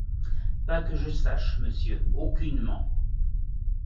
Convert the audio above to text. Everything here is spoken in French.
Pas que je sache, monsieur, aucunement.